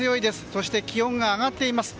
そして気温が上がっています。